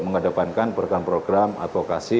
menghadapankan program program advokasi